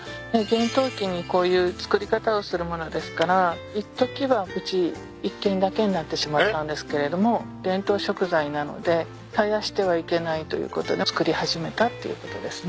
厳冬期にこういう作り方をするものですからいっときはうち一軒だけになってしまったんですけれども伝統食材なので絶やしてはいけないということで作り始めたっていうことですね。